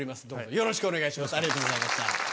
よろしくお願いします。